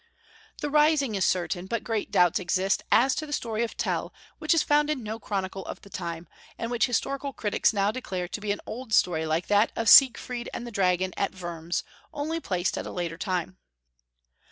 The rising is certain, but great doubts exist as to 206 Young Folks* History of (Germany. the story of Tell, which is found in no chronicle of the time, and which historical critics now declare to be an old story like that of Siegfried and the dragon at Wurms, only placed at a later time.